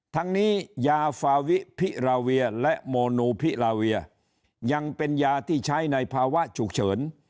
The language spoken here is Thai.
ทั้งนี้ยาฟาวิพิราเวียและโมนูพิลาเวียยังเป็นยาที่ใช้ในภาวะฉุกเฉิน